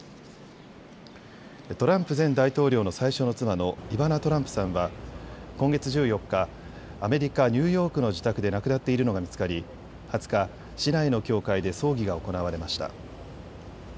トランプ前大統領の最初の妻のイバナ・トランプさんは今月１４日、アメリカ・ニューヨークの自宅で亡くなっているのが見つかり２０日、市内の教会で葬儀が行われました。